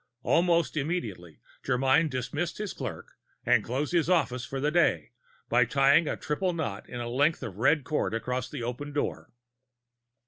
Almost immediately, Germyn dismissed his clerk and closed his office for the day by tying a triple knot in a length of red cord across the open door.